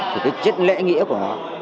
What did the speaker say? thì cái chất lễ nghĩa của nó